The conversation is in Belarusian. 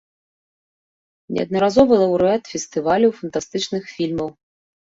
Неаднаразовы лаўрэат фестываляў фантастычных фільмаў.